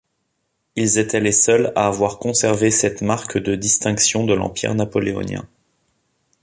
Ils étaient les seuls à avoir conservé cette marque de distinction de l'empire napoléonien.